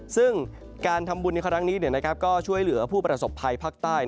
ซึ่งการทำบุญในครั้งนี้ก็ช่วยเหลือผู้ประสบภัยภาคใต้